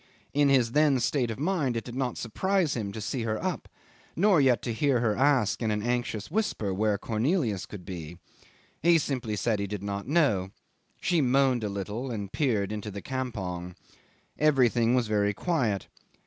In his then state of mind it did not surprise him to see her up, nor yet to hear her ask in an anxious whisper where Cornelius could be. He simply said he did not know. She moaned a little, and peered into the campong. Everything was very quiet.